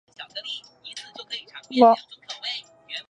郑和亦尝裔敕往赐。